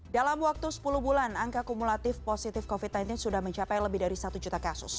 dalam waktu sepuluh bulan angka kumulatif positif covid sembilan belas sudah mencapai lebih dari satu juta kasus